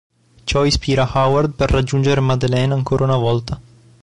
Ciò ispira Howard per raggiungere Madeleine ancora una volta.